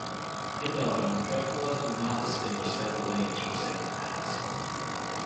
In Belgium, traffic laws do not distinguish cycle lanes from cyclepaths.